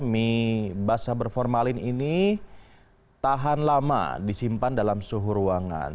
mie basah berformalin ini tahan lama disimpan dalam suhu ruangan